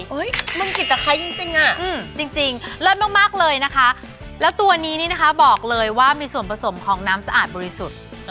นุ่มกิจตะไคร้จริงอ่ะจริงเลิศมากเลยนะคะแล้วตัวนี้นี่นะคะบอกเลยว่ามีส่วนผสมของน้ำสะอาดบริสุทธิ์